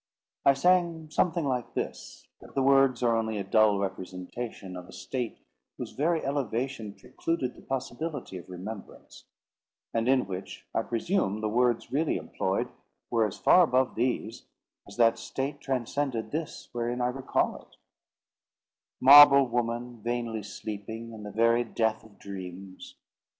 I sang something like this: but the words are only a dull representation of a state whose very elevation precluded the possibility of remembrance; and in which I presume the words really employed were as far above these, as that state transcended this wherein I recall it: "Marble woman, vainly sleeping In the very death of dreams!